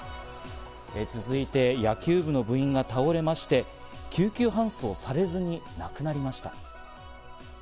続いて、野球部の部員が倒れまして、救急搬送されずに亡くなりました。